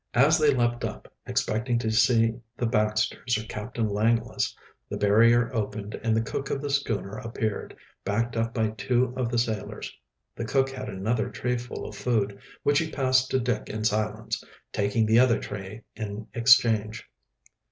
As they leaped up, expecting to see the Baxters or Captain Langless, the barrier opened and the cook of the schooner appeared, backed up by two of the sailors. The cook had another trayful of food, which he passed to Dick in silence, taking the other tray in exchange.